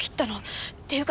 っていうか